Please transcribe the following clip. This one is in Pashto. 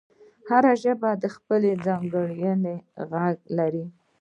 هره ژبه خپل ځانګړی غږ لري.